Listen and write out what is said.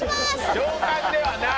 上官ではない！